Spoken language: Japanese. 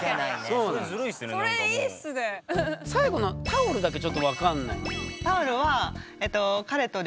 最後の「タオル」だけちょっと分かんない。